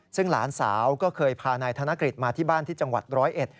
ซึ่งหลานสาวก็เคยพานายธนกฤษมาที่บ้านที่จังหวัดร้อยเอ็ด